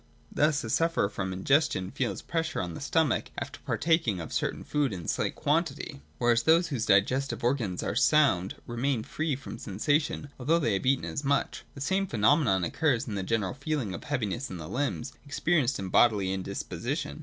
Thus a sufferer from indigestion feels pressure on the stomach, after partaking of certain food in slight quantity ; whereas those whose digestive organs are sound remain free from the sensation, although they have eaten as much. The same phenomenon occurs in the general feeling of heaviness in the limbs, experienced in bodily indisposition.